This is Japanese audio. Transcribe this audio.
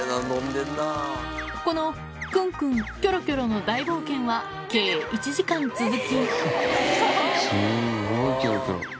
このクンクンキョロキョロの大冒険は計１時間続きすごいキョロキョロ。